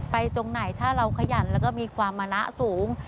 ตรงไหนถ้าเราขยันแล้วก็มีความมะละสูง